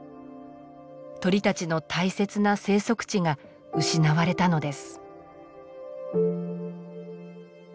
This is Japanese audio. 鳥たちの大切な生息地が失われたのです。